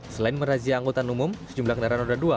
selain merazia angkutan umum sejumlah kendaraan roda dua